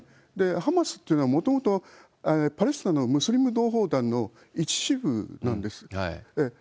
ハマスっていうのは、もともとパレスチナのムスリム同胞団の一支部なんです。